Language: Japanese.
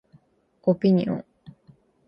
オピニオン